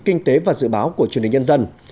kinh tế và dự báo của truyền hình nhân dân